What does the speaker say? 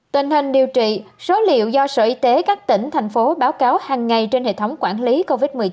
tình hình điều trị số liệu do sở y tế các tỉnh thành phố báo cáo hàng ngày trên hệ thống quản lý covid một mươi chín